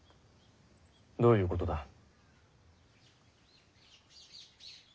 どういうことだ？